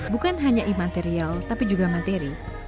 bukan hanya imaterial tapi juga materi